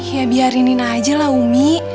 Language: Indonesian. ya biarinin aja lah umi